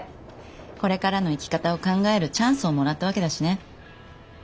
これからの生き方を考えるチャンスをもらったわけだしね。